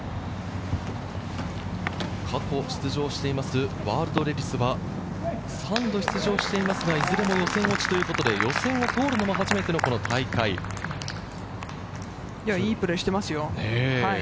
過去出場しています、ワールドレディスは３度出場していますが、いずれも予選落ちということで、予選を通るのも初めてのこの大会、いいプレーしてますよ。